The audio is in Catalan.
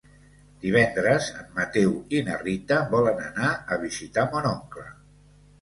Divendres en Mateu i na Rita volen anar a visitar mon oncle.